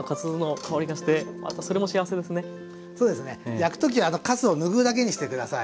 焼く時はかすを拭うだけにして下さい。